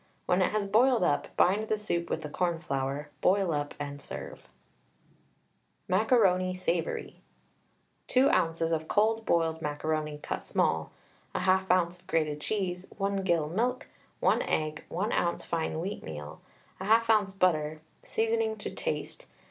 When it has boiled up, bind the soup with the cornflour, boil up, and serve. MACARONI SAVOURY. 2 oz. of cold boiled macaroni cut small, 1/2 oz. grated cheese, 1 gill milk, 1 egg, 1 oz. fine wheatmeal, 1/2 oz. butter, seasoning to taste.